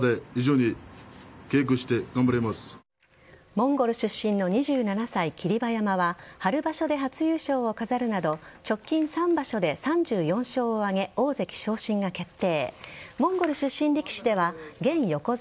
モンゴル出身の２７歳霧馬山は春場所で初優勝を飾るなど直近３場所で３４勝を挙げ、大関昇進が決定。